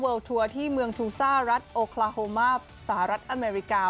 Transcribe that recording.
ทัวร์ที่เมืองทูซ่ารัฐโอคลาโฮมาสหรัฐอเมริกา